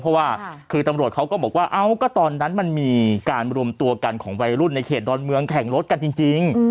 เพราะว่าคือตำรวจเขาก็บอกว่าเอ้าก็ตอนนั้นมันมีการรวมตัวกันของวัยรุ่นในเขตดอนเมืองแข่งรถกันจริง